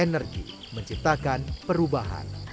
energi menciptakan perubahan